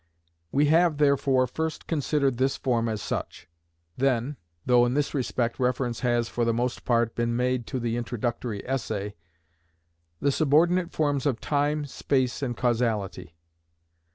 We have therefore first considered this form as such; then (though in this respect reference has for the most part been made to the introductory essay) the subordinate forms of time, space and causality.